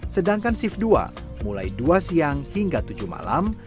sedangkan shift dua mulai dua siang hingga tujuh malam